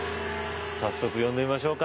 早速呼んでみましょうか。